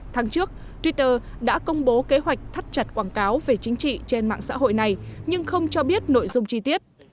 tháng trước twitter đã công bố kế hoạch thắt chặt quảng cáo về chính trị trên mạng xã hội này nhưng không cho biết nội dung chi tiết